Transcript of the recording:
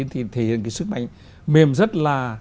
thì thể hiện cái sức mạnh mềm rất là